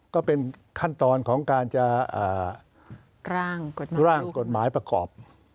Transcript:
ก็เป็นขั้นตอนของการจะร่างกฎหมายประกอบ